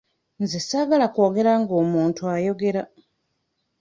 Nze ssaagala kwogera nga omuntu ayogera.